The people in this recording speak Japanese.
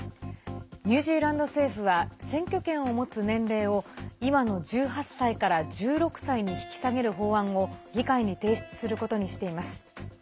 ニュージーランド政府は選挙権を持つ年齢を今の１８歳から１６歳に引き下げる法案を議会に提出することにしています。